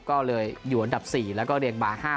ก็เลยอยู่อันดับ๔แล้วก็เรียงบาร์๕